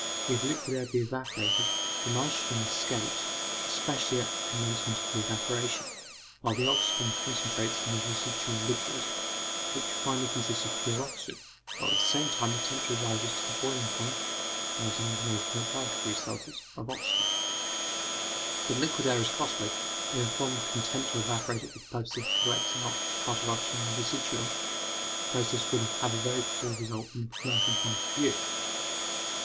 if liquid air be evaporated, the nitrogen escapes, especially at the commencement of the evaporation, while the oxygen concentrates in the residual liquid, which finally consists of pure oxygen, while at the same time the temperature rises to the boiling point ( 180.5° C.) of oxygen. But liquid air is costly, and if one were content to evaporate it for the purpose of collecting a part of the oxygen in the residuum, the process would have a very poor result from the commercial point of view.